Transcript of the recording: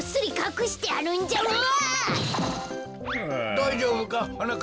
だいじょうぶか？